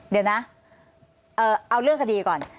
เดี๋ยวนะเอาเรื่องคดีก่อน